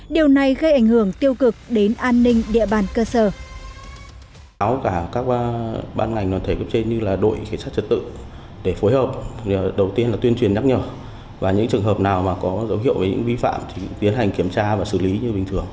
điều này gây ảnh hưởng tiêu cực đến an ninh